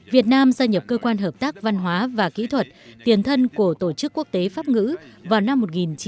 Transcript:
việt nam gia nhập cơ quan hợp tác văn hóa và kỹ thuật tiền thân của tổ chức quốc tế pháp ngữ vào năm một nghìn chín trăm bảy mươi